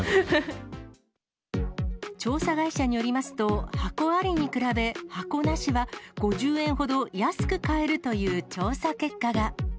調査会社によりますと、箱ありに比べ、箱なしは、５０円ほど安く買えるという調査結果が。